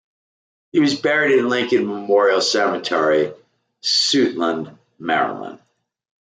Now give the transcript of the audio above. He was buried at Lincoln Memorial Cemetery, Suitland, Maryland.